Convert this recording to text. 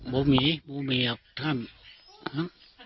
บ่มีบ่มีถ้า